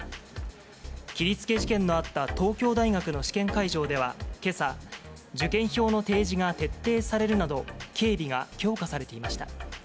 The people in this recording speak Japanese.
切りつけ事件のあった東京大学の試験会場では、けさ、受験票の提示が徹底されるなど、警備が強化されていました。